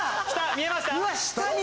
見えました？